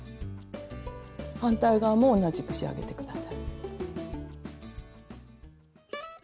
反対側も同じく仕上げて下さい。